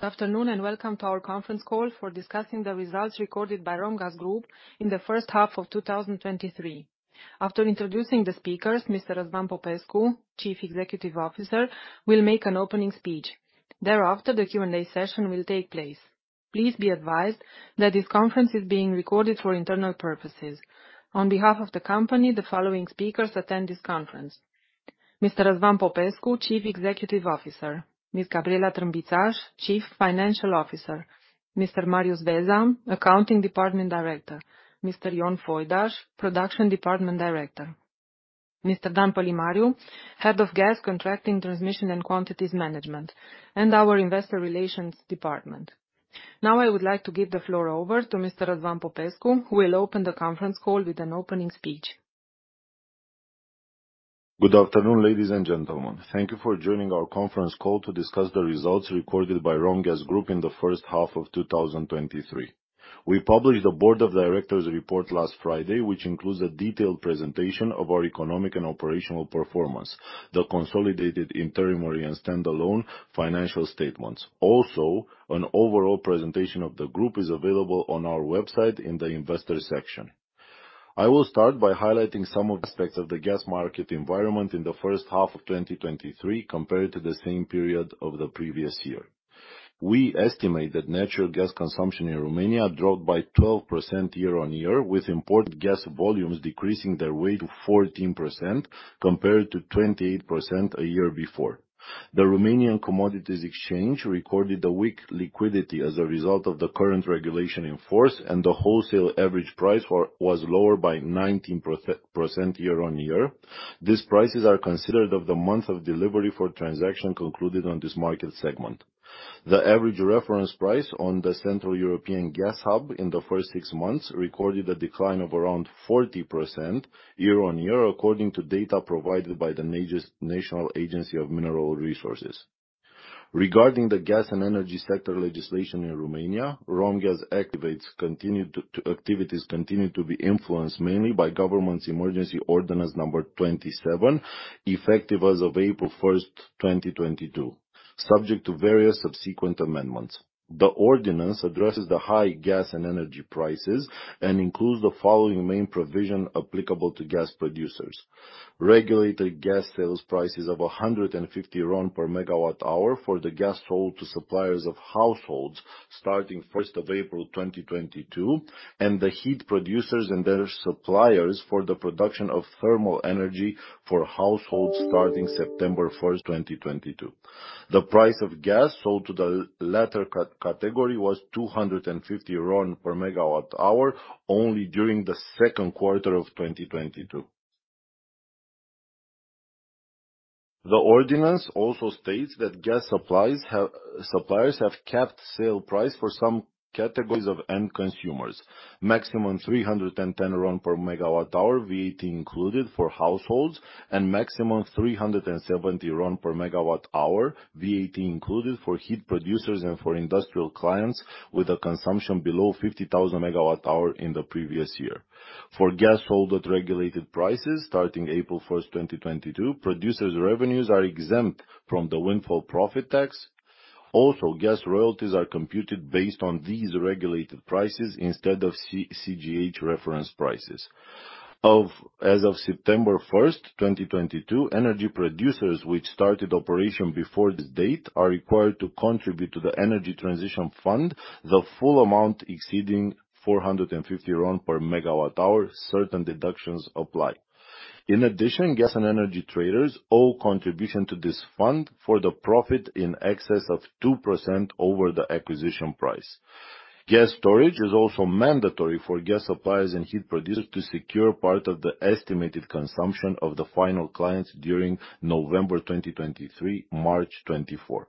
Good afternoon, welcome to our conference call for discussing the results recorded by ROMGAZ Group in the first half of 2023. After introducing the speakers, Mr. Răzvan Popescu, Chief Executive Officer, will make an opening speech. Thereafter, the Q&A session will take place. Please be advised that this conference is being recorded for internal purposes. On behalf of the company, the following speakers attend this conference: Mr. Răzvan Popescu, Chief Executive Officer, Ms. Gabriela Trâmbițaș, Chief Financial Officer, Mr. Marius Veza, Accounting Director, Mr. Ion Foidaș, Production Department Director, Mr. Dan Palimaru, Head of Gas Contracting, Transmission, and Quantities Management, and our Investor Relations Department. Now, I would like to give the floor over to Mr. Răzvan Popescu, who will open the conference call with an opening speech. Good afternoon, ladies and gentlemen. Thank you for joining our conference call to discuss the results recorded by ROMGAZ Group in the first half of 2023. We published the Board of Directors report last Friday, which includes a detailed presentation of our economic and operational performance, the consolidated interim and standalone financial statements. An overall presentation of the group is available on our website in the investor section. I will start by highlighting some aspects of the gas market environment in the first half of 2023 compared to the same period of the previous year. We estimate that natural gas consumption in Romania dropped by 12% year-on-year, with imported gas volumes decreasing their way to 14% compared to 28% a year before. The Romanian Commodities Exchange recorded a weak liquidity as a result of the current regulation in force, and the wholesale average price was lower by 19% year-on-year. These prices are considered of the month of delivery for transaction concluded on this market segment. The average reference price on the Central European Gas Hub in the first six months recorded a decline of around 40% year-on-year, according to data provided by the National Agency for Mineral Resources. Regarding the gas and energy sector legislation in Romania, ROMGAZ activities continue to be influenced mainly by Government Emergency Ordinance No. 27, effective as of April 1st, 2022, subject to various subsequent amendments. The ordinance addresses the high gas and energy prices and includes the following main provision applicable to gas producers: regulated gas sales prices of RON 150 per MWh for the gas sold to suppliers of households starting 1st of April, 2022, and the heat producers and their suppliers for the production of thermal energy for households starting September 1st, 2022. The price of gas sold to the latter category was RON 250 per MWh, only during the second quarter of 2022. The ordinance also states that gas suppliers have capped sale price for some categories of end consumers. Maximum RON 310 per MWh, VAT included, for households, and maximum RON 370 per MWh, VAT included, for heat producers and for industrial clients with a consumption below 50,000 MWh in the previous year. For gas sold at regulated prices, starting April 1st, 2022, producers' revenues are exempt from the windfall profit tax. Also, gas royalties are computed based on these regulated prices instead of CEGH reference prices. As of September 1st, 2022, energy producers which started operation before this date are required to contribute to the Energy Transition Fund, the full amount exceeding RON 450 per MWh, certain deductions apply. In addition, gas and energy traders owe contribution to this fund for the profit in excess of 2% over the acquisition price. Gas storage is also mandatory for gas suppliers and heat producers to secure part of the estimated consumption of the final clients during November 2023, March 2024.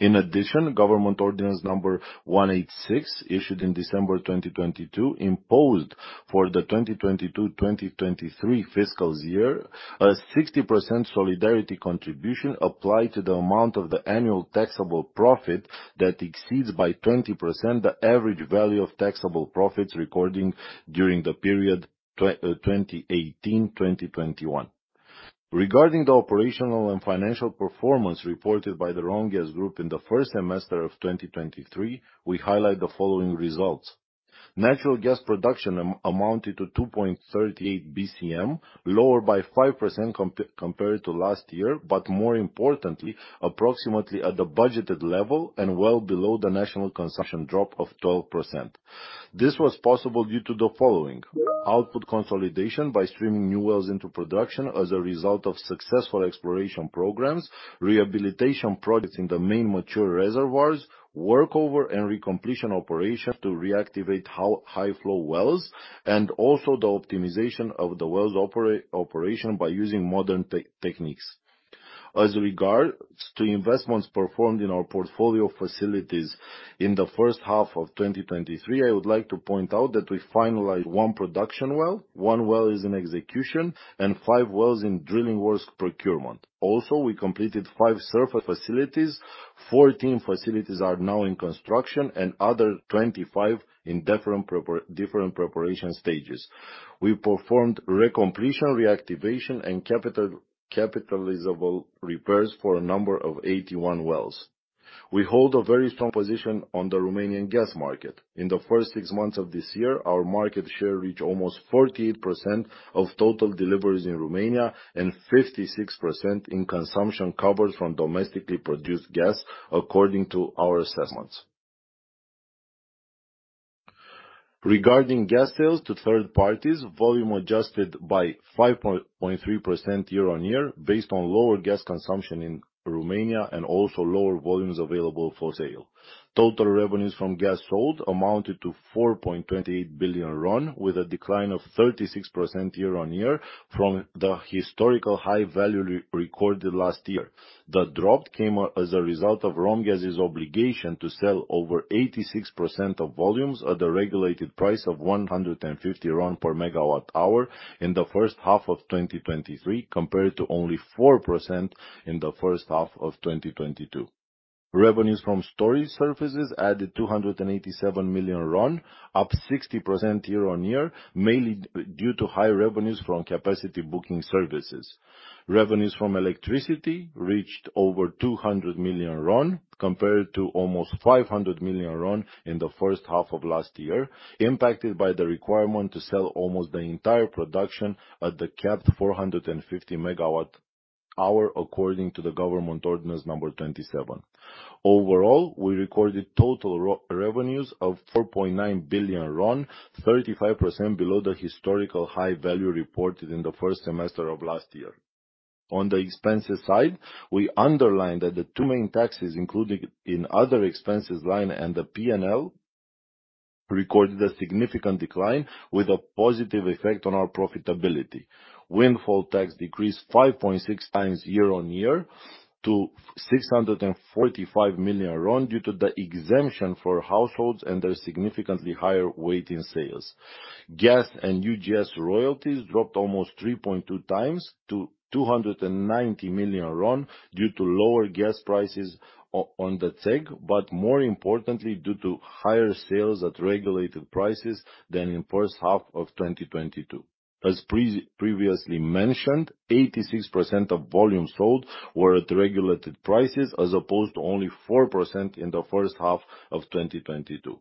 In addition, Government Ordinance No. 186, issued in December 2022, imposed for the 2022, 2023 fiscal year, a 60% solidarity contribution applied to the amount of the annual taxable profit that exceeds by 20% the average value of taxable profits recording during the period 2018, 2021. Regarding the operational and financial performance reported by the ROMGAZ Group in the first semester of 2023, we highlight the following results: Natural gas production amounted to 2.38 BCM, lower by 5% compared to last year, but more importantly, approximately at the budgeted level and well below the national consumption drop of 12%. This was possible due to the following: output consolidation by streaming new wells into production as a result of successful exploration programs, rehabilitation projects in the main mature reservoirs, workover and recompletion operations to reactivate high, high flow wells, and also the optimization of the wells operation by using modern techniques. As regards to investments performed in our portfolio of facilities in the first half of 2023, I would like to point out that we finalized one production well, one well is in execution, and five wells in drilling works procurement. We completed five surface facilities, 14 facilities are now in construction, and other 25 in different preparation stages. We performed recompletion, reactivation, and capitalizable repairs for a number of 81 wells. We hold a very strong position on the Romanian gas market. In the first six months of this year, our market share reached almost 48% of total deliveries in Romania and 56% in consumption covered from domestically produced gas, according to our assessments. Regarding gas sales to third parties, volume adjusted by 5.3% year-on-year, based on lower gas consumption in Romania and also lower volumes available for sale. Total revenues from gas sold amounted to RON 4.28 billion, with a decline of 36% year-on-year from the historical high value re-recorded last year. The drop came as a result of ROMGAZ's obligation to sell over 86% of volumes at a regulated price of RON 150 per MWh in the first half of 2023, compared to only 4% in the first half of 2022. Revenues from storage services added RON 287 million, up 60% year-on-year, mainly due to high revenues from capacity booking services. Revenues from electricity reached over RON 200 million, compared to almost RON 500 million in the first half of last year, impacted by the requirement to sell almost the entire production at the capped 450 MWh, according to the Government Ordinance No. 27. Overall, we recorded total revenues of RON 4.9 billion, 35% below the historical high value reported in the first semester of last year. On the expenses side, we underline that the two main taxes included in other expenses line and the P&L recorded a significant decline with a positive effect on our profitability. Windfall tax decreased 5.6x year-on-year to RON 645 million due to the exemption for households and their significantly higher weight in sales. Gas and UGS royalties dropped almost 3.2x to RON 290 million due to lower gas prices on the CEGH, but more importantly, due to higher sales at regulated prices than in first half of 2022. As previously mentioned, 86% of volumes sold were at regulated prices, as opposed to only 4% in the first half of 2022.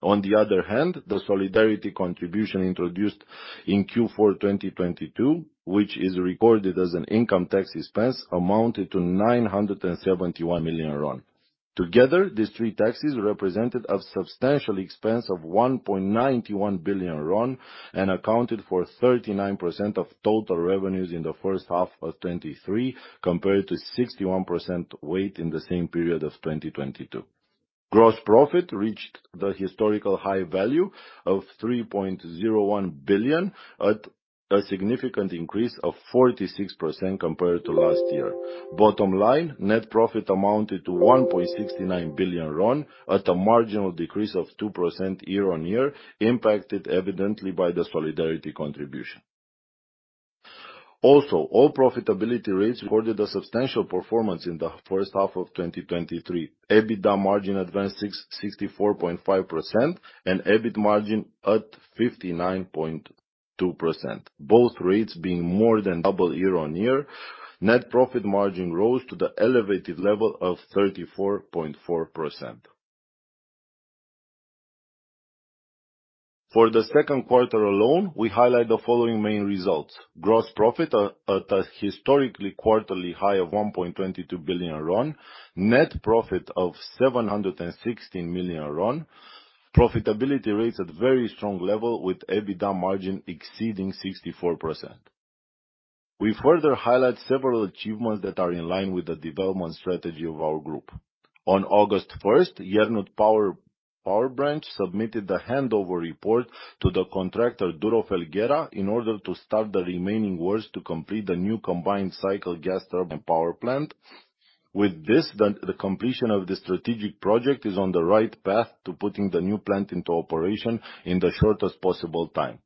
The solidarity contribution introduced in Q4, 2022, which is recorded as an income tax expense, amounted to RON 971 million. Together, these three taxes represented a substantial expense of RON 1.91 billion and accounted for 39% of total revenues in the first half of 2023, compared to 61% weight in the same period of 2022. Gross profit reached the historical high value of RON 3.01 billion, at a significant increase of 46% compared to last year. Bottom line, net profit amounted to RON 1.69 billion, at a marginal decrease of 2% year-on-year, impacted evidently by the solidarity contribution. All profitability rates recorded a substantial performance in the first half of 2023. EBITDA margin advanced 64.5% and EBIT margin at 59.2%, both rates being more than double year-on-year. Net profit margin rose to the elevated level of 34.4%. For the second quarter alone, we highlight the following main results: Gross profit at a historically quarterly high of RON 1.22 billion. Net profit of RON 716 million. Profitability rates at very strong level, with EBITDA margin exceeding 64%. We further highlight several achievements that are in line with the development strategy of our group. On August 1st, Iernut Power branch submitted a handover report to the contractor, Duro Felguera, in order to start the remaining works to complete the new combined cycle gas turbine power plant. With this, the completion of the strategic project is on the right path to putting the new plant into operation in the shortest possible time.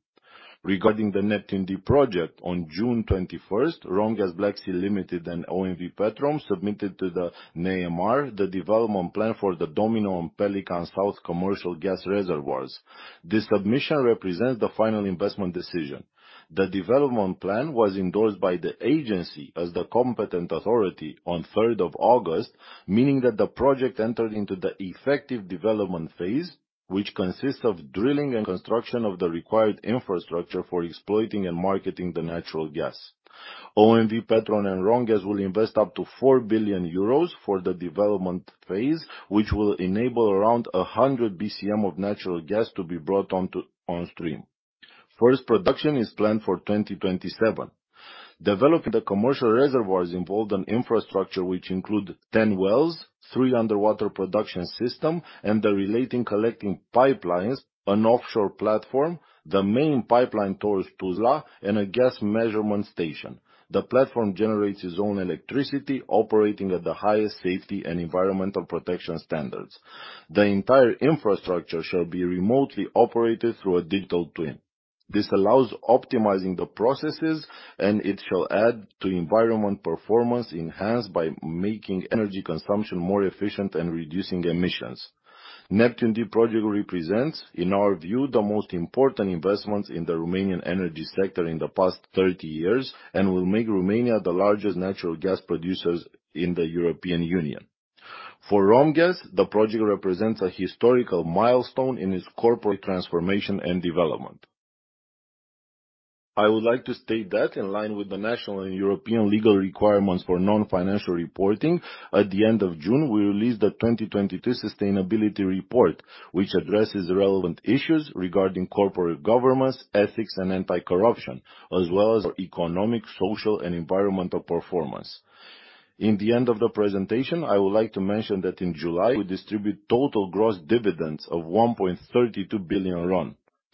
Regarding the Neptun Deep project, on June 21st, ROMGAZ Black Sea Limited and OMV Petrom submitted to the NAMR the development plan for the Domino and Pelican South commercial gas reservoirs. This submission represents the final investment decision. The development plan was endorsed by the agency as the competent authority on 3rd of August, meaning that the project entered into the effective development phase, which consists of drilling and construction of the required infrastructure for exploiting and marketing the natural gas. OMV Petrom and ROMGAZ will invest up to 4 billion euros for the development phase, which will enable around 100 BCM of natural gas to be brought on stream. First production is planned for 2027. Developing the commercial reservoirs involved an infrastructure which include 10 wells, three underwater production system and the relating collecting pipelines, an offshore platform, the main pipeline towards Tuzla, and a gas measurement station. The platform generates its own electricity, operating at the highest safety and environmental protection standards. The entire infrastructure shall be remotely operated through a digital twin. This allows optimizing the processes, and it shall add to environment performance enhanced by making energy consumption more efficient and reducing emissions. Neptun Deep project represents, in our view, the most important investments in the Romanian energy sector in the past 30 years and will make Romania the largest natural gas producers in the European Union. For ROMGAZ, the project represents a historical milestone in its corporate transformation and development. I would like to state that in line with the national and European legal requirements for non-financial reporting, at the end of June, we released the 2022 sustainability report, which addresses relevant issues regarding corporate governance, ethics, and anti-corruption, as well as our economic, social, and environmental performance. In the end of the presentation, I would like to mention that in July, we distribute total gross dividends of RON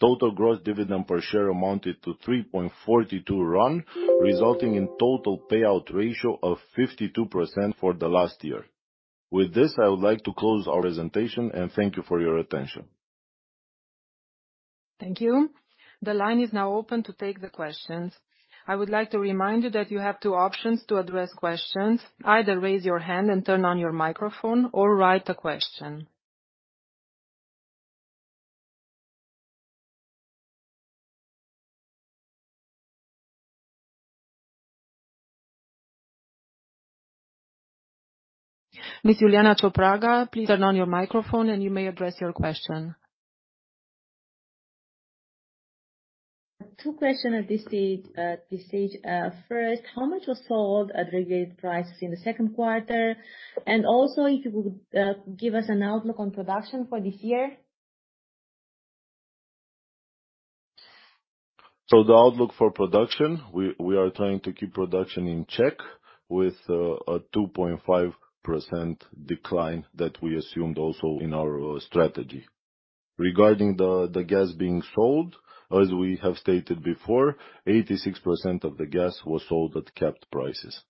1.32 billion. Total gross dividend per share amounted to RON 3.42, resulting in total payout ratio of 52% for the last year. With this, I would like to close our presentation, and thank you for your attention. Thank you. The line is now open to take the questions. I would like to remind you that you have two options to address questions: either raise your hand and turn on your microphone or write a question. Ms. Iuliana Ciopraga, please turn on your microphone, and you may address your question. Two questions at this stage. First, how much was sold at regulated prices in the second quarter? Also, if you would, give us an outlook on production for this year. The outlook for production, we, we are trying to keep production in check with a 2.5% decline that we assumed also in our strategy. Regarding the, the gas being sold, as we have stated before, 86% of the gas was sold at capped prices.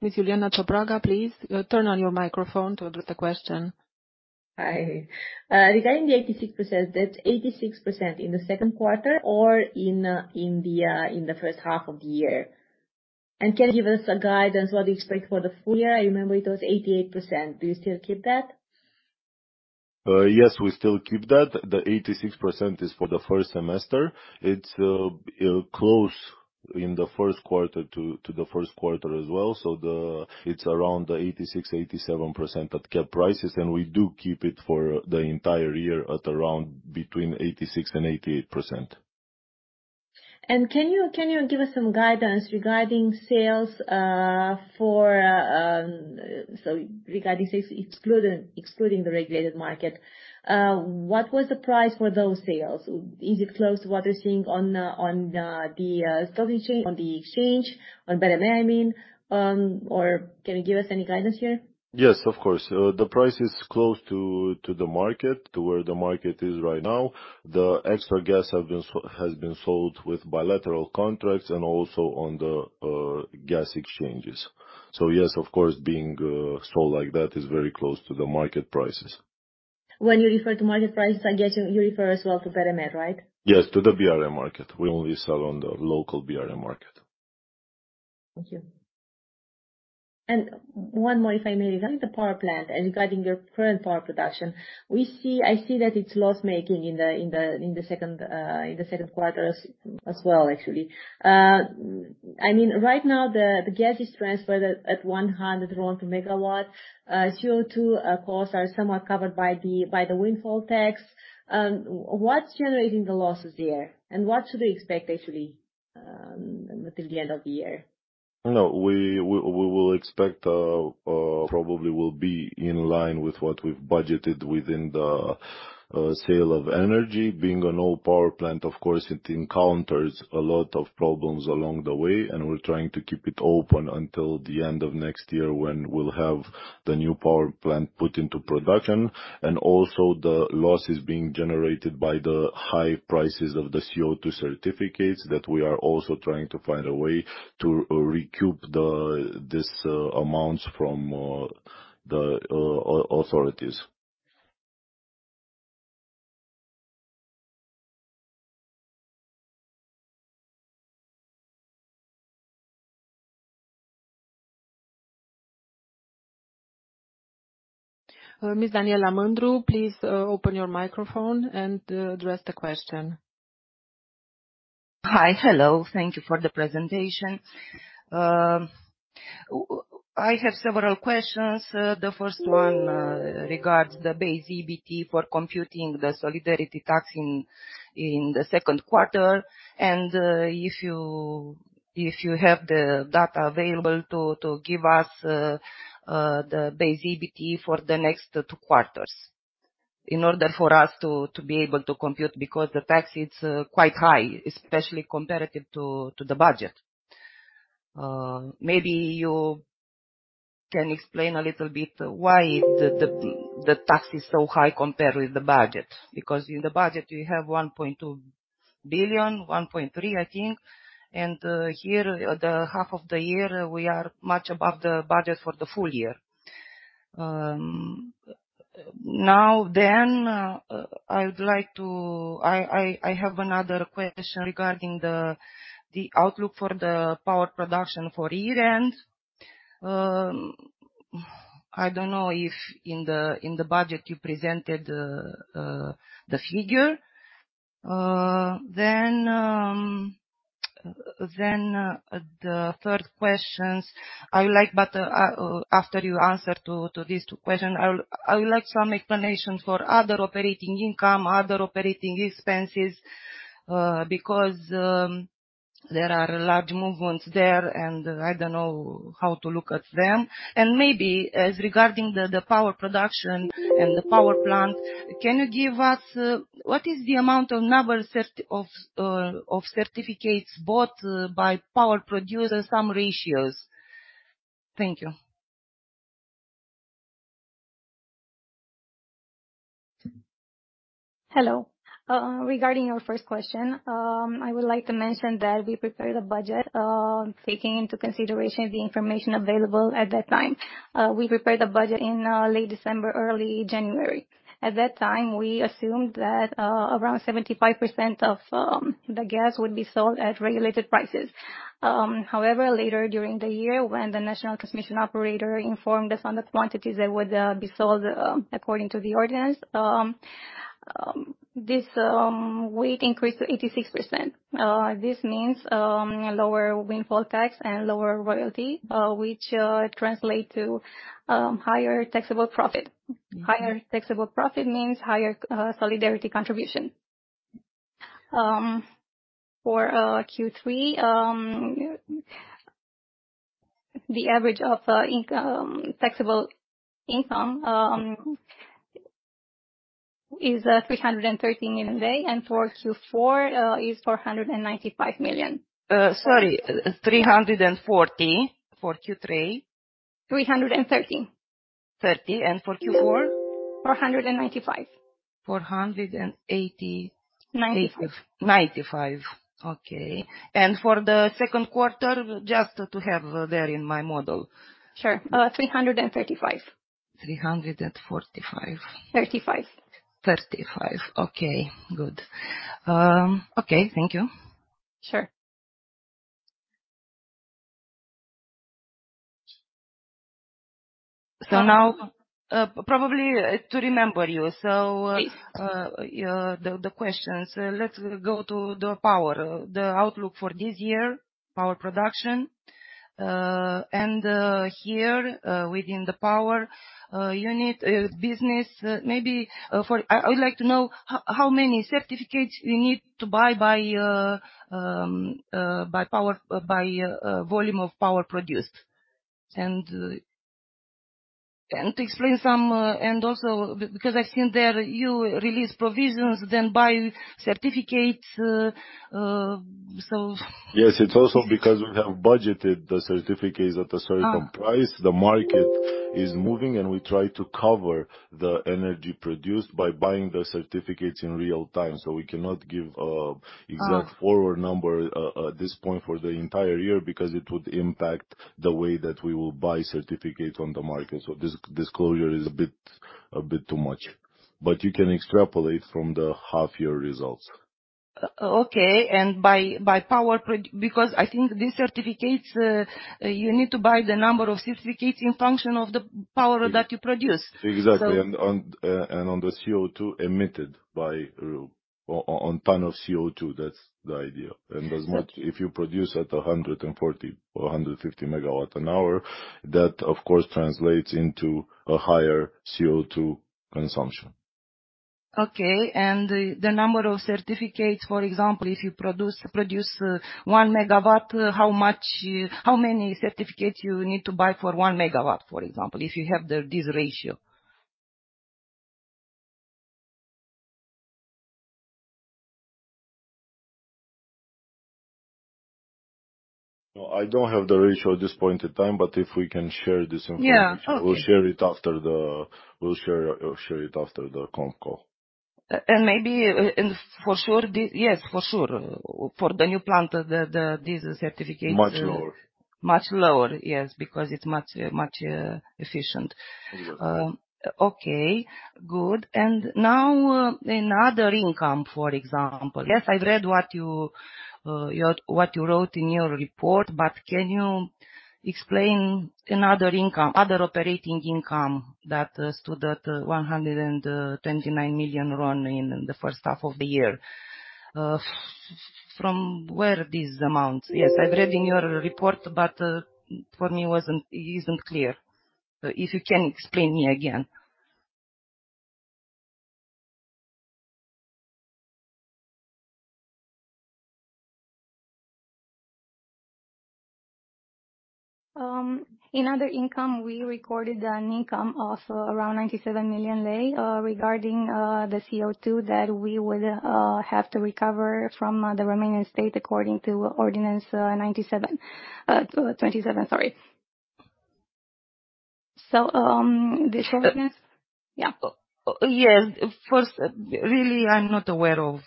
Ms. Iuliana Ciopraga, please, turn on your microphone to address the question. Hi. Regarding the 86%, that's 86% in the second quarter or in the first half of the year? Can you give us a guidance what to expect for the full year? I remember it was 88%. Do you still keep that? Yes, we still keep that. The 86% is for the first semester. It's close in the first quarter to, to the first quarter as well. It's around 86%, 87% at capped prices, and we do keep it for the entire year at around between 86% and 88%. Can you, can you give us some guidance regarding sales? Regarding sales, excluding, excluding the regulated market, what was the price for those sales? Is it close to what you're seeing on the stock exchange, on the exchange, on BRM, I mean, or can you give us any guidance here? Yes, of course. The price is close to, to the market, to where the market is right now. The extra gas has been sold with bilateral contracts and also on the gas exchanges. Yes, of course, being sold like that is very close to the market prices. When you refer to market prices, I guess you, you refer as well to BRM, right? Yes, to the BRM market. We only sell on the local BRM market. Thank you. One more, if I may. Regarding the power plant and regarding your current power production, I see that it's loss-making in the second quarter as well, actually. I mean, right now, the gas is transferred at RON 100 per MW. CO2 costs are somewhat covered by the windfall tax. What's generating the losses there, and what should we expect, actually, within the end of the year? No, we will expect, probably will be in line with what we've budgeted within the sale of energy. Being an old power plant, of course, it encounters a lot of problems along the way, and we're trying to keep it open until the end of next year, when we'll have the new power plant put into production. And also, the loss is being generated by the high prices of the CO2 certificates, that we are also trying to find a way to recoup the, this, amounts from the authorities. Ms. Daniela Mandru, please, open your microphone and, address the question. Hi. Hello. Thank you for the presentation. I have several questions. The first one regards the base EBIT for computing the solidarity tax in the second quarter, and if you, if you have the data available, to give us the base EBIT for the next two quarters in order for us to be able to compute, because the tax is quite high, especially comparative to the budget. Maybe you can explain a little bit why the tax is so high compared with the budget? Because in the budget, we have RON 1.2 billion, RON 1.3 billion, I think, and here, at the half of the year, we are much above the budget for the full year. Now then, I have another question regarding the outlook for the power production for year-end. I don't know if in the budget you presented the figure. Then, the third questions I would like, but after you answer to these two questions, I would like some explanation for other operating income, other operating expenses, because there are large movements there, and I don't know how to look at them. Maybe as regarding the power production and the power plant, can you give us what is the amount or number of certificates bought by power producers, some ratios? Thank you. Hello. Regarding your first question, I would like to mention that we prepared a budget, taking into consideration the information available at that time. We prepared the budget in late December, early January. At that time, we assumed that around 75% of the gas would be sold at regulated prices. However, later during the year, when the national transmission operator informed us on the quantities that would be sold, according to the ordinance, this weight increased to 86%. This means lower windfall tax and lower royalty, which translate to higher taxable profit. Mm-hmm. Higher taxable profit means higher solidarity contribution. For Q3, the average of income, taxable income, is RON 330 million, and for Q4, is RON 495 million lei. Sorry, RON 340 for Q3? RON 330. 30. For Q4? RON 495. RON 480- 95. 95. Okay. For the second quarter, just to have there in my model. Sure. RON 335. RON 345. 35. 35. Okay, good. Okay. Thank you. Sure. Now, probably to remember you. Please. The questions. Let's go to the power, the outlook for this year, power production. And here, within the power unit business, maybe. I would like to know how many certificates you need to buy, by volume of power produced? And explain some. Also, because I've seen there, you release provisions, then buy certificates. Yes, it's also because we have budgeted the certificates at a certain price. Ah. The market is moving, and we try to cover the energy produced by buying the certificates in real time, so we cannot give. Ah... exact forward number, at this point for the entire year, because it would impact the way that we will buy certificates on the market. This disclosure is a bit, a bit too much, but you can extrapolate from the half-year results. Okay, by, by power prod- because I think these certificates, you need to buy the number of certificates in function of the power that you produce. Exactly. So- On the CO2 emitted by one ton of CO2. That's the idea. Exactly. If you produce at 140 or 150 MWh, that of course translates into a higher CO2 consumption. Okay, the, the number of certificates, for example, if you produce, produce, 1 MW, how much, how many certificates you need to buy for 1 MW, for example, if you have this ratio? No, I don't have the ratio at this point in time, but if we can share this information- Yeah, okay. We'll share it after the. We'll share it after the con call. Maybe, and for sure, yes, for sure. For the new plant, this certificate- Much lower. Much lower, yes, because it's much, much efficient. Exactly. Okay, good. Now, in other income, for example... Yes, I've read what you wrote in your report, but can you explain in other income, other operating income, that stood at RON 129 million in the first half of the year? From where this amount? Yes, I've read in your report, but for me, it wasn't, it isn't clear. If you can explain me again. In other income, we recorded an income also around RON 97 million regarding the CO2 that we would have to recover from the Romanian state, according to Ordinance 97, 27, sorry. This ordinance?... Yeah. Yes, first, really, I'm not aware of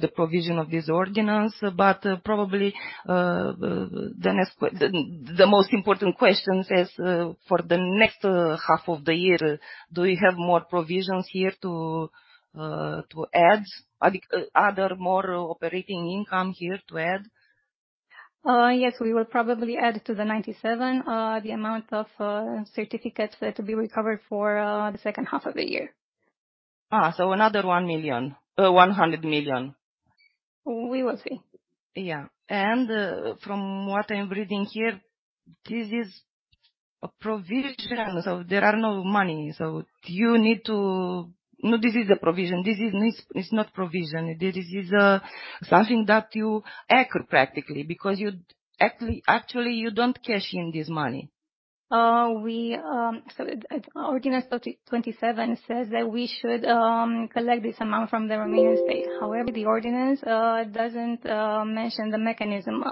the provision of this ordinance, but probably the next the most important question is for the next half of the year, do we have more provisions here to add? Are there more operating income here to add? Yes, we will probably add to the RON 97 million, the amount of certificates that will be recovered for the second half of the year. Another RON 1 million, RON 100 million. We will see. Yeah. From what I'm reading here, this is a provision, so there are no money. No, this is a provision. This is not, it's not provision. This is something that you accrue, practically, because you actually, you don't cash in this money. We, so Ordinance 27 says that we should collect this amount from the Romanian state. However, the Ordinance doesn't mention the mechanism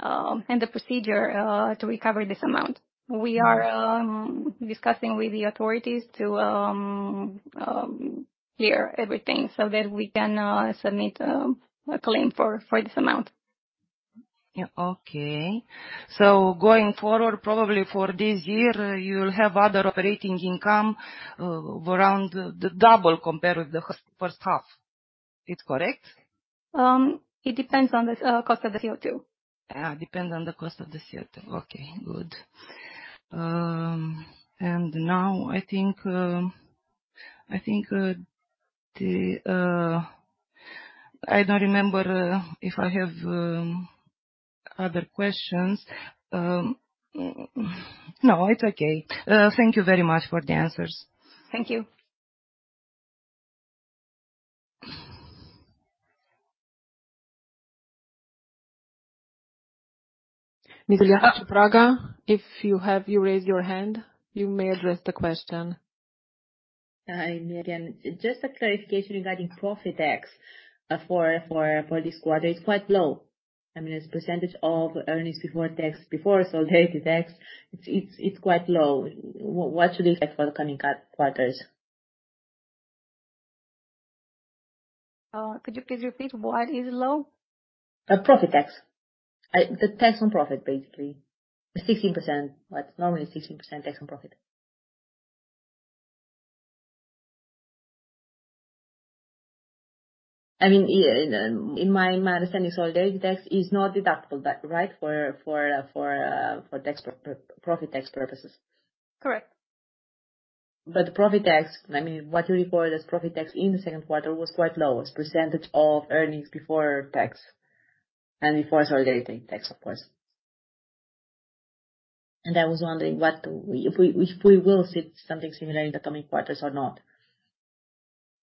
and the procedure to recover this amount. We are discussing with the authorities to hear everything, so that we can submit a claim for this amount. Yeah. Okay. Going forward, probably for this year, you'll have other operating income, around the double compared with the first half. It's correct? It depends on the cost of the CO2. Depends on the cost of the CO2. Okay, good. Now, I think, I think, I don't remember if I have other questions. No, it's okay. Thank you very much for the answers. Thank you. Miss Iuliana Ciopraga, if you raised your hand, you may address the question. Hi, Mirian. Just a clarification regarding profit tax, for, for, for this quarter, it's quite low. I mean, as percentage of earnings before tax, before solidarity tax, it's, it's quite low. W-what should we expect for the coming quarters? Could you please repeat why it is low? Profit tax. The tax on profit, basically. 16%, but normally 16% tax on profit. I mean, yeah, in my understanding, solidarity tax is not deductible, that right? For profit tax purposes. Correct. Profit tax, I mean, what you report as profit tax in the second quarter was quite low, as % of earnings before tax and before solidarity tax, of course. I was wondering, what, if we, if we will see something similar in the coming quarters or not?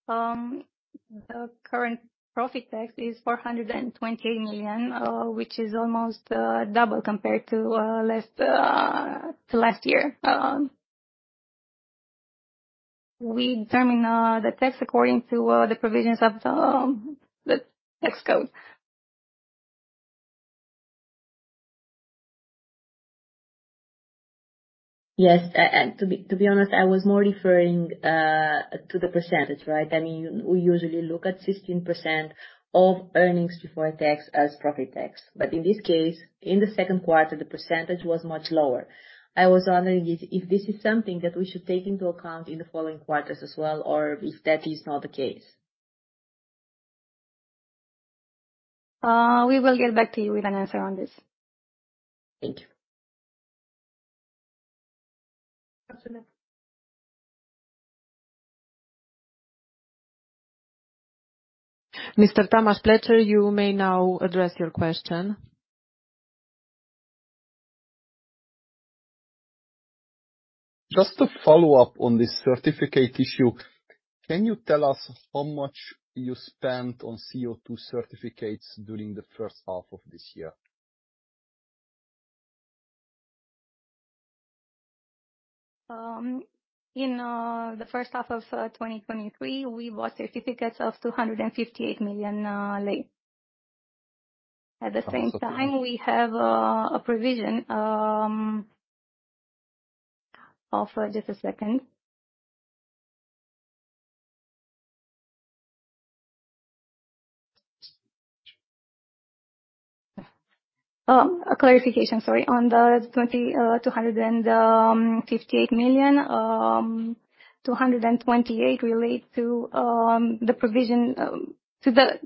The current profit tax is RON 420 million, which is almost double compared to last to last year. We determine the tax according to the provisions of the Fiscal Code. Yes, and to be honest, I was more referring to the percentage, right? I mean, we usually look at 16% of earnings before tax as profit tax, but in this case, in the second quarter, the percentage was much lower. I was wondering if this is something that we should take into account in the following quarters as well, or if that is not the case? We will get back to you with an answer on this. Thank you. Mr. Tamas Pletser, you may now address your question. Just to follow up on this certificate issue, can you tell us how much you spent on CO2 certificates during the first half of this year? In the first half of 2023, we bought certificates of RON 258 million. At the same time, we have a provision of. A clarification, sorry, RON 258 million, RON 228 million relate to the provision to the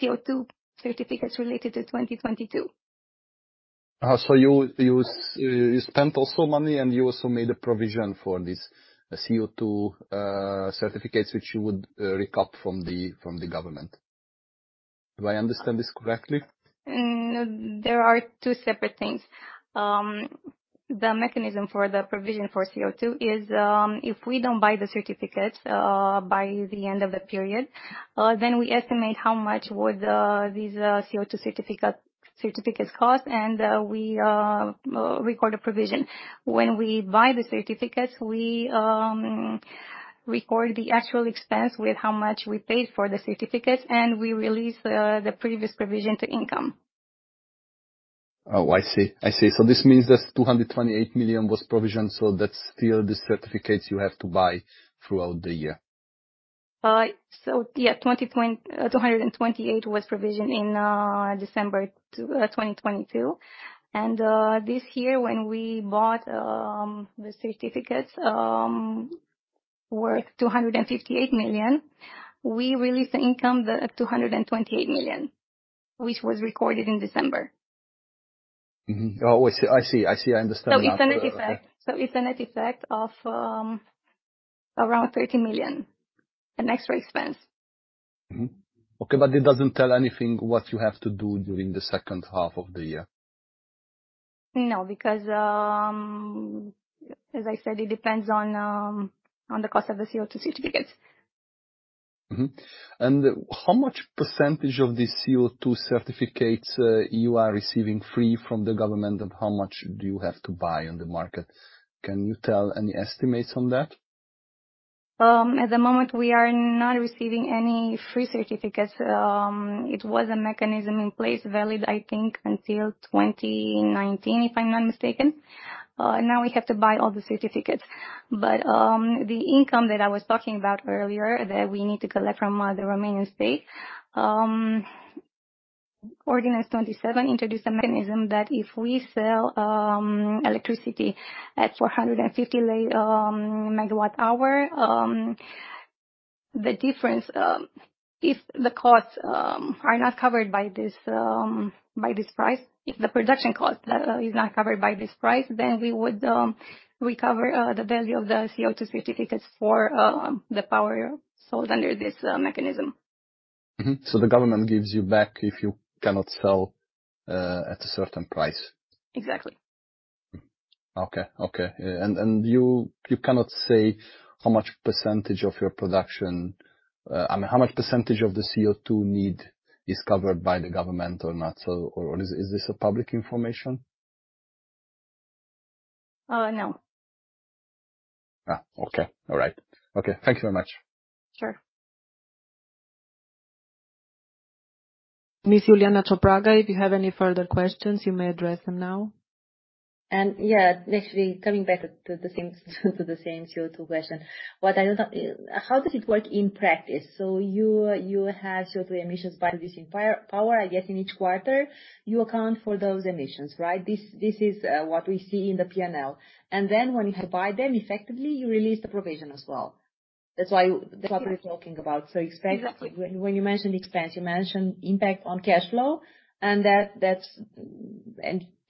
CO2 certificates related to 2022. You spent also money, and you also made a provision for this CO2 certificates, which you would recoup from the, from the government. Do I understand this correctly? There are two separate things. The mechanism for the provision for CO2 is, if we don't buy the certificates by the end of the period, then we estimate how much would these CO2 certificate, certificates cost, and we record a provision. When we buy the certificates, we record the actual expense with how much we paid for the certificates, and we release the previous provision to income. Oh, I see, I see. This means that RON 228 million was provisioned, so that's still the CO2 certificates you have to buy throughout the year? RON 228 was provisioned in December 2022. This year, when we bought the certificates, worth RON 258 million, we released the income, RON 228 million, which was recorded in December. Mm-hmm. Oh, I see. I see, I understand now. It's a net effect. It's a net effect of, around RON 30 million, an extra expense. Mm-hmm. Okay, it doesn't tell anything what you have to do during the second half of the year? No, because, as I said, it depends on, on the cost of the CO2 certificates. Mm-hmm. How much % of the CO2 certificates you are receiving free from the government, and how much do you have to buy on the market? Can you tell any estimates on that? At the moment, we are not receiving any free certificates. It was a mechanism in place, valid until 2019, if I'm not mistaken. Now we have to buy all the certificates. The income that I was talking about earlier, that we need to collect from the Romanian state, Ordinance 27 introduced a mechanism that if we sell electricity at RON 450 MWh, the difference, if the costs are not covered by this, by this price, if the production cost is not covered by this price, then we would recover the value of the CO2 certificates for the power sold under this mechanism. Mm-hmm. The government gives you back if you cannot sell at a certain price? Exactly. Okay. Okay, yeah. You, you cannot say how much percentage of your production... I mean, how much percentage of the CO2 need is covered by the government or not. Is, is this a public information? no. Okay. All right. Okay, thank you very much. Sure. Miss Iuliana Ciopraga, if you have any further questions, you may address them now. Yeah, actually, coming back to, to the same, to the same CO2 question. How does it work in practice? You, you have CO2 emissions by this in power, power, I guess, in each quarter, you account for those emissions, right? This, this is what we see in the P&L. When you buy them, effectively, you release the provision as well. That's why. Yeah. -that's what we're talking about. expense- Exactly. When you mention expense, you mention impact on cash flow, and that's.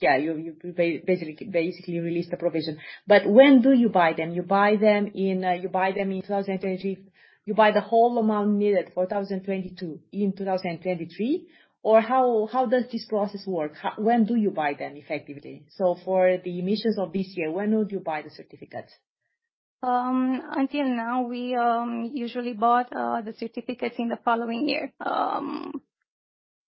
Yeah, you basically, basically release the provision. When do you buy them? You buy them in, you buy them in 2023. You buy the whole amount needed for 2022, in 2023, or how, how does this process work? When do you buy them, effectively? For the emissions of this year, when would you buy the certificates? Until now, we usually bought the certificates in the following year.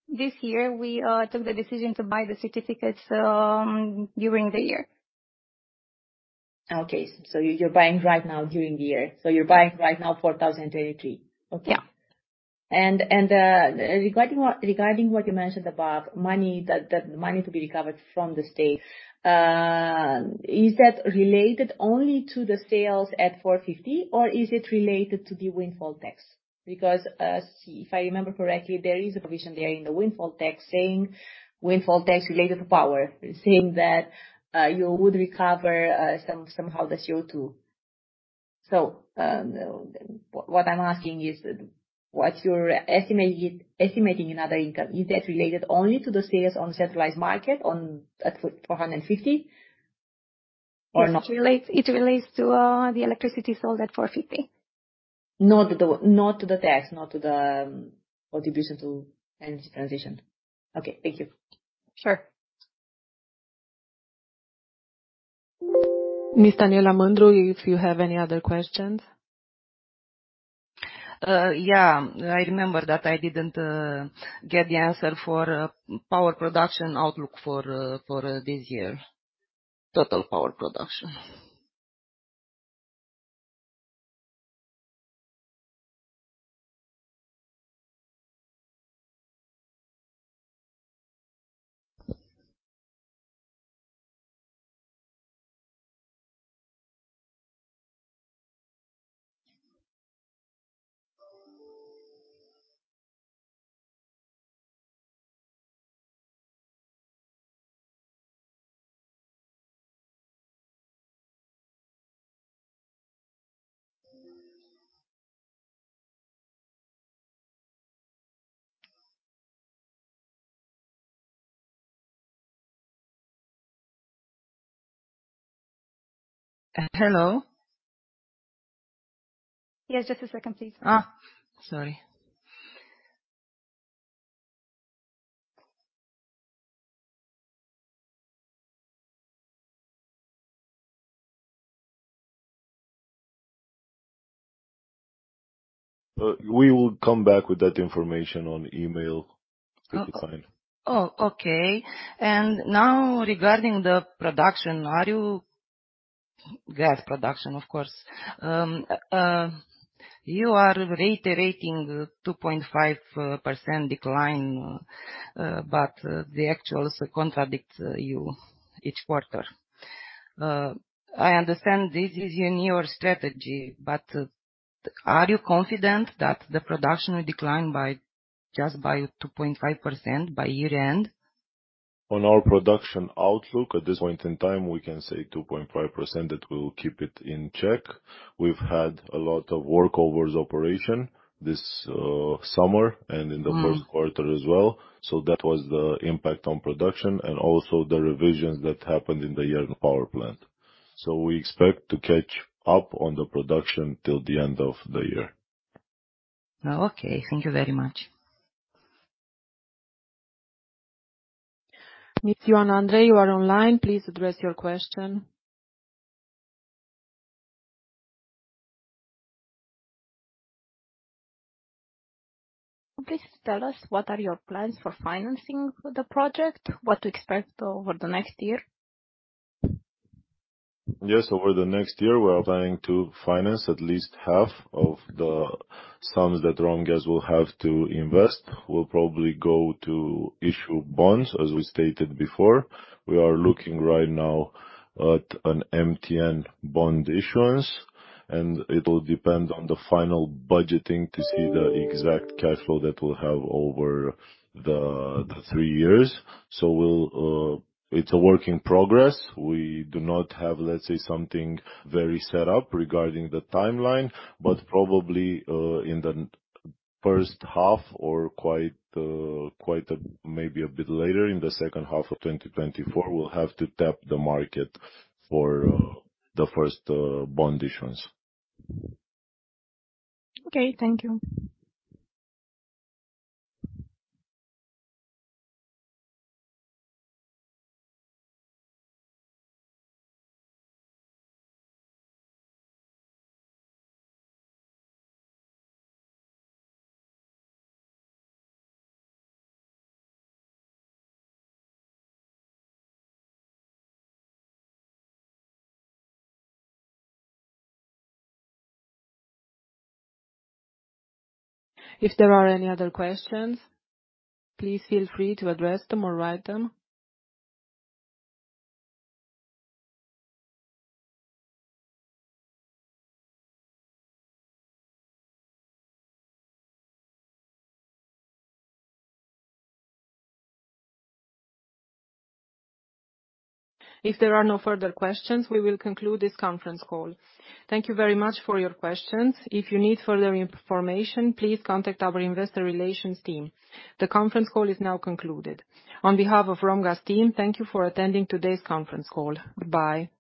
This year, we took the decision to buy the certificates during the year. Okay, you're buying right now during the year. You're buying right now for 2023? Yeah. Okay. Regarding what, regarding what you mentioned about money, the money to be recovered from the state, is that related only to the sales at RON 450, or is it related to the windfall tax? See, if I remember correctly, there is a provision there in the windfall tax saying windfall tax related to power, saying that you would recover somehow the CO2. What I'm asking is, what's your estimate, estimating in other income, is that related only to the sales on centralized market, at RON 450, or not? It relates, it relates to the electricity sold at RON 450. Not the, not to the tax, not to the contribution to energy transition. Okay, thank you. Sure. Miss Daniela Mandru, if you have any other questions? Yeah. I remember that I didn't get the answer for power production outlook for for this year. Total power production. Hello? Yeah, just a second, please. Ah! Sorry. We will come back with that information on email, if you can. Oh, okay. Now, regarding the production, are you- gas production, of course. You are reiterating 2.5% decline, but the actuals contradicts you each quarter. I understand this is in your strategy, but are you confident that the production will decline by just by 2.5% by year-end? On our production outlook, at this point in time, we can say 2.5%, that we'll keep it in check. We've had a lot of workovers operation this summer and in the 1st quarter as well, so that was the impact on production and also the revisions that happened in the year in power plant. We expect to catch up on the production till the end of the year. Okay, thank you very much. Miss Ioana Andrei, you are online. Please address your question. Please tell us, what are your plans for financing the project? What to expect over the next year? Yes, over the next year, we are planning to finance at least half of the sums that ROMGAZ will have to invest. We'll probably go to issue bonds, as we stated before. We are looking right now at an MTN bond issuance. It will depend on the final budgeting to see the exact cash flow that we'll have over the three years. We'll... It's a work in progress. We do not have, let's say, something very set up regarding the timeline, but probably, in the first half or quite a maybe a bit later, in the second half of 2024, we'll have to tap the market for the first bond issuance. Okay, thank you. If there are any other questions, please feel free to address them or write them. If there are no further questions, we will conclude this conference call. Thank you very much for your questions. If you need further information, please contact our Investor Relations team. The conference call is now concluded. On behalf of ROMGAZ team, thank you for attending today's conference call. Goodbye.